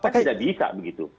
kan tidak bisa begitu